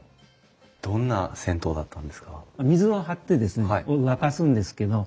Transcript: どんな銭湯だったんですか？